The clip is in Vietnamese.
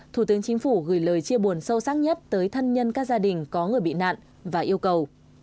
thủ tướng chính phủ gửi lời chia buồn sâu sắc nhất tới thân nhân các gia đình có người bị nạn và yêu cầu